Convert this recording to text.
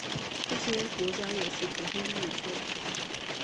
这些国家有时统称英语圈。